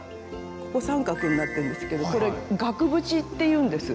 ここ三角になってるんですけどこれ額縁っていうんです。